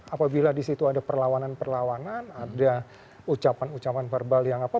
apabila di situ ada perlawanan perlawanan ada ucapan ucapan verbal yang apa